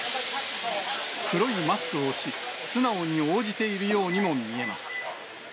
黒いマスクをし、素直に応じているようにも見えます。